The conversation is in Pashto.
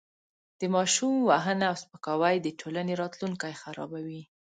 د ماشوم وهنه او سپکاوی د ټولنې راتلونکی خرابوي.